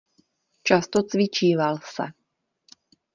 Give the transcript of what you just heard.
Často cvičíval se.